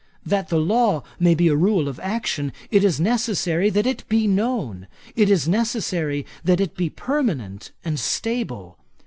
That the law may be a rule of action, it is necessary that it be known; it is necessary that it be permanent and stable.